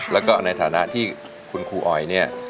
แล้วก็ในฐานะที่คุณครูออยเนี่ย